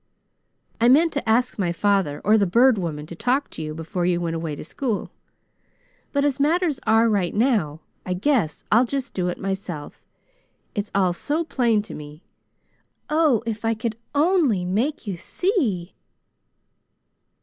I meant to ask my father or the Bird Woman to talk to you before you went away to school, but as matters are right now I guess I'll just do it myself. It's all so plain to me. Oh, if I could only make you see!"